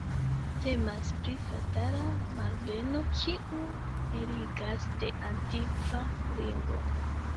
Temas pri fatala malbeno kiu eligas de antikva ringo.